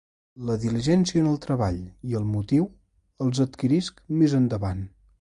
La diligència en el treball i el motiu els adquirisc més endavant.